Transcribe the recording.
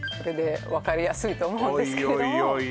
分かりやすいと思うんですけどおい